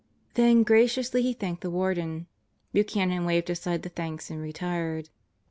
Then graciously he thanked the Warden. Buchanan waved aside the thanks and retired.